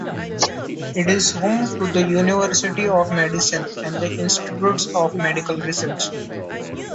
It is home to the university of medicine and the institutes of medical research.